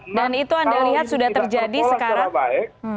dan itu anda lihat sudah terjadi sekarang